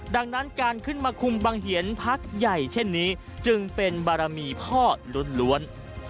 ดังนั้นการขึ้นมาคุมบังเหียนพักใหญ่เช่นนี้จึงเป็นบารมีพ่อล้วน